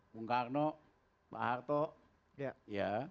bung karno pak harto ya